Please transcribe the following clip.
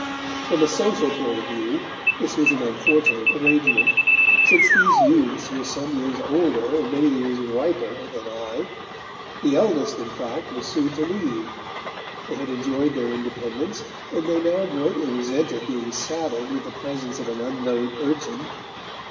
From a social point of view this was an unfortunate arrangement, since these youths were some years older and many years riper than I; the eldest, in fact, was soon to leave; they had enjoyed their independence, and they now greatly resented being saddled with the presence of an unknown urchin.